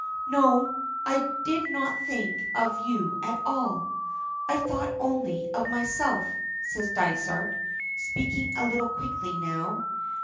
"No, I did not think of you at all. I thought only of myself," says Dysart, speaking a little quickly now.